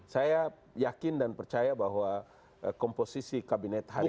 saya yakin dan percaya bahwa komposisi kabinet hari ini